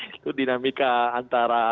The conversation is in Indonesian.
itu dinamika antara